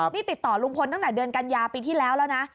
นี่ติดต่อลุงพลตั้งแต่เดือนกันยาปีที่แล้วแล้วนะ